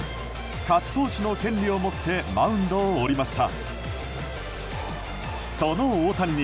勝ち投手の権利を持ってマウンドを降りました。